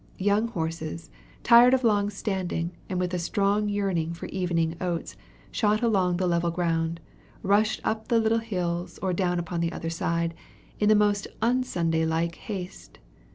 Young horses, tired of long standing, and with a strong yearning for evening oats, shot along the level ground, rushed up the little hills, or down upon the other side, in the most un Sunday like haste.